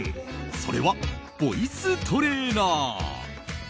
それは、ボイストレーナー。